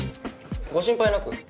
ご心配なく。